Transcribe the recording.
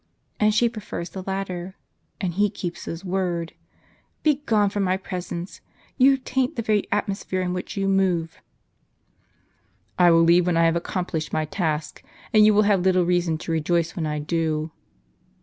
And she prefers the latter, and he keeps his word. Begone from my presence ; you taint the very atmosphere in which you move." " I will leave when I have accomplished my task, and you will have little reason to rejoice when I do.